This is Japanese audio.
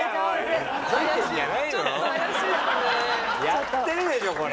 やってるでしょこれ。